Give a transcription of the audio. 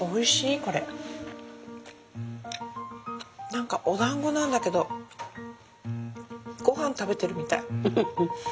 何かお団子なんだけど御飯食べてるみたい。